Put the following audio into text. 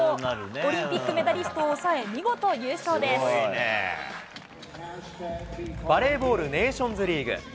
オリンピックメダリストを抑え、バレーボールネーションズリーグ。